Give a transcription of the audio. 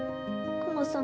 クマさん。